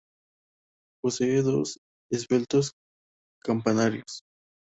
Posee dos esbeltos campanarios.